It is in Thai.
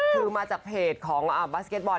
คือมาจากเพจของบาสเก็ตบอล